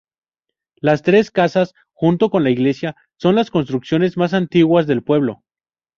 Las tres casas, junto con la iglesia, son las construcciones más antiguas del pueblo.